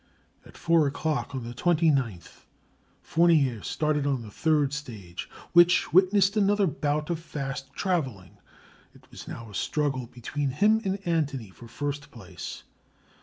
At four o'clock on the 29th Fournier started on the third stage, which witnessed another bout of fast travelling. It was now a struggle between him and Antony for first place.